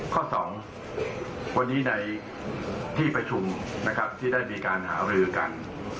๒วันนี้ในที่ประชุมนะครับที่ได้มีการหารือกัน